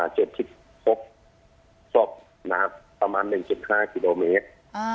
จบประมาณ๑๕ธิโครมิตร